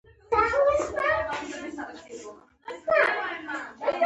ستا ښایست داسې دی چې هرڅوک به پر مئین شي.